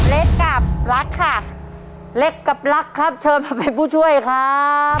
เล็กกับรักค่ะเล็กกับรักครับเชิญมาเป็นผู้ช่วยครับ